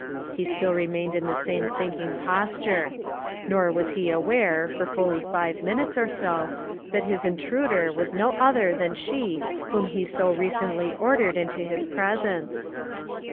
he still remained in the same thinking posture; nor was he aware, for fully five minutes or so, that his intruder was no other than she whom he so recently ordered into his presence!